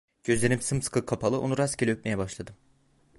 Gözlerim sımsıkı kapalı, onu rastgele öpmeye başladım.